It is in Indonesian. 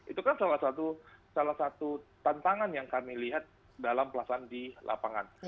itu kan salah satu tantangan yang kami lihat dalam pelaksanaan di lapangan